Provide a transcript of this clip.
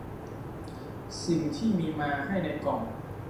สิ่งที่มีมาให้ในกล่อง